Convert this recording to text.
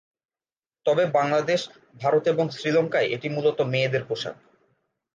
তবে বাংলাদেশ, ভারত এবং শ্রীলঙ্কায় এটি মূলতঃ মেয়েদের পোশাক।